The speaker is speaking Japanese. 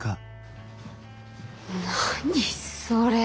何それ。